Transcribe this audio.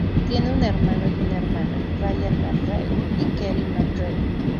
Tiene un hermano y una hermana: Ryan McRae y Kelley McRae.